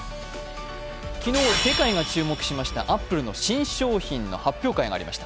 昨日世界が注目しましたアップルの新商品の発表会がありました。